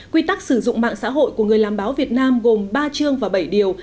quy tắc sử dụng mạng xã hội của người làm báo việt nam gồm ba chương và bảy điều